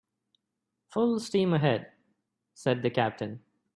"Full steam ahead," said the captain.